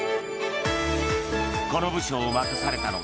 この部署を任されたのが